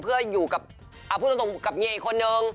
เพื่ออยู่กับพูดตรงกับเมียอีกคนนึง